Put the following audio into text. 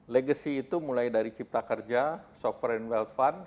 legacy itu mulai dari cipta kerja sovereign wealth fund